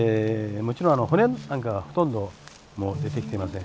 もちろん骨なんかはほとんどもう出てきてません。